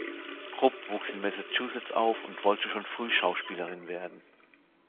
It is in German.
Rupp wuchs in Massachusetts auf und wollte schon früh Schauspielerin werden.